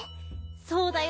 そうだよ。